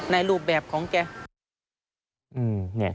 รูปแบบของแก